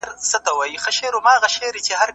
که پښتورګي کار ونه کړي، بدن کې زهرجنه مواد جمع کېږي.